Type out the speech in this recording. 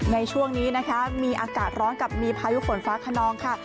ในช่วงนี้นะคะมีอากาศร้อนกับมีพายุฝนฟ้าขนองค่ะ